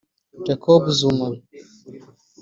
Jacob Zuma